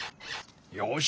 よし。